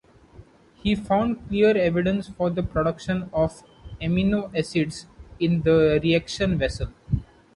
He found clear evidence for the production of amino acids in the reaction vessel.